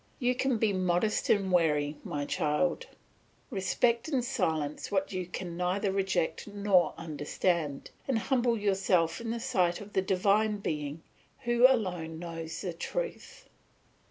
You can be modest and wary, my child; respect in silence what you can neither reject nor understand, and humble yourself in the sight of the Divine Being who alone knows the truth.